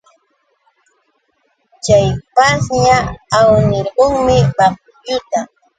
Chay pashña awnirqunmi maqtilluta.